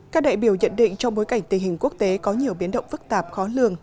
các đại biểu nhận định trong bối cảnh tình hình quốc tế có nhiều biến động phức tạp khó lường